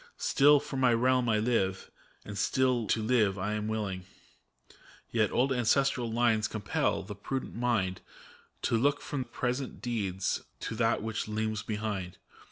Still for my realm I live, and still to live am willing; Yet old ancestral lines compel the prudent mind To look from present deeds to that which looms behind.